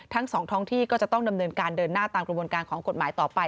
ทั้งสองท้องที่ก็จะต้องดำเนินการเดินหน้าตามกระบวนการของกฎหมายต่อไป